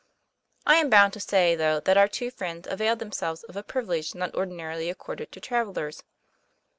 I am bound to say, though, that our two friends availed themselves of a privilege not ordinarily ac corded to travellers.